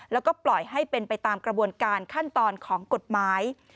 แล้วก็ปล่อยให้เป็นไปตามกระบวนการขั้นตอนของกฎหมาย